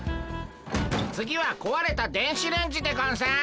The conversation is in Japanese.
次はこわれた電子レンジでゴンス。